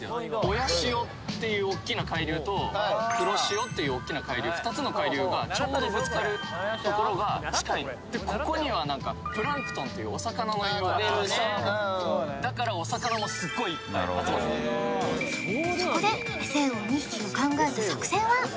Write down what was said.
親潮っていうおっきな海流と黒潮っていうおっきな海流２つの海流がちょうどぶつかるところが近いのでここには何かプランクトンっていうお魚のあっ食べるねだからお魚もすごいいっぱい集まってくるそこでエセ魚２匹が考えた作戦は？